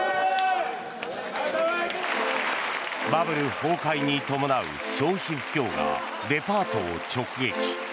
バブル崩壊に伴う消費不況がデパートを直撃。